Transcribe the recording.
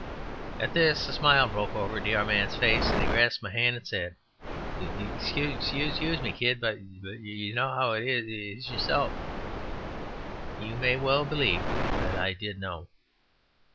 At this a smile broke over De Armand's face, and he grasped my hand and said, "Excuse m m m e k k id; but y y you k k know how it is y y yourself." You may well believe that I did know.